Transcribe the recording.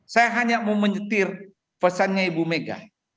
saya hanya mau menyetir pesannya ibu mega